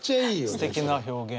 すてきな表現。